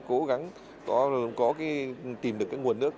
cố gắng tìm được nguồn nước